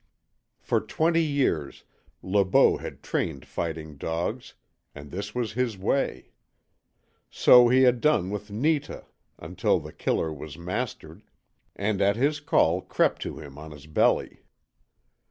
For twenty years Le Beau had trained fighting dogs, and this was his way. So he had done with Netah until The Killer was mastered, and at his call crept to him on his belly.